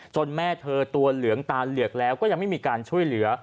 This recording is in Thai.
แม่เธอตัวเหลืองตาเหลือกแล้วก็ยังไม่มีการช่วยเหลือ